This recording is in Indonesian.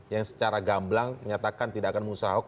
yang secara gamblang menyatakan tidak akan mengusaha ahok